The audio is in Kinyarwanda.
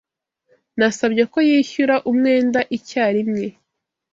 Nasabye ko yishyura umwenda icyarimwe.